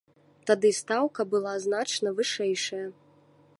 Тады стаўка была значна вышэйшая.